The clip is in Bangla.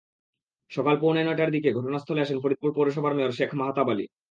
সকাল পৌনে নয়টার দিকে ঘটনাস্থলে আসেন ফরিদপুর পৌরসভার মেয়র শেখ মাহাতাব আলী।